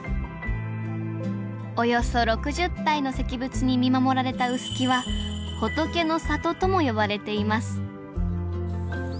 およそ６０体の石仏に見守られた臼杵は「仏の里」とも呼ばれています